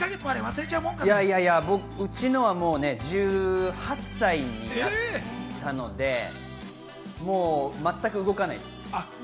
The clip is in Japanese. うちのは１８歳になったので全く動かないです。